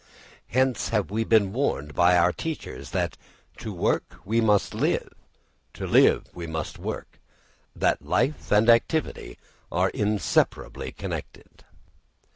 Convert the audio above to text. Hence have we been warned by our teachers that to work we must live, to live we must work; that life and activity are inseparably connected.